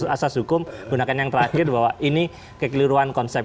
asas hukum gunakan yang terakhir bahwa ini kekeliruan konsep